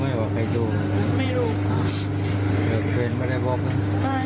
ถ้านั้นออกมาบอกว่านี่ค่ะถือให้การแบบนี้บอกไม่รู้เลยตรงนั้นไม่ได้มีสิ่งของอะไรผิดกฎมากไม่รู้เลย